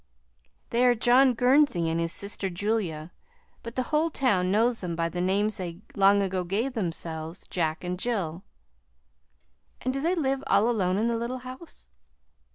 "They are John Gurnsey and his sister, Julia; but the whole town knows them by the names they long ago gave themselves, 'Jack' and 'Jill.'" "And do they live all alone in the little house?"